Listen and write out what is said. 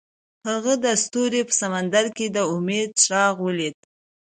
هغه د ستوري په سمندر کې د امید څراغ ولید.